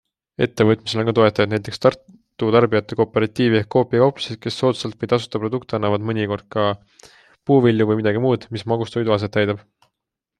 Ettevõtmisel on ka toetajaid - näiteks Tartu tarbijate kooperatiivi ehk Coopi kauplused, kes soodsalt või tasuta produkte annavad, mõnikord ka puuvilju või midagi muud, mis magustoidu aset täidab.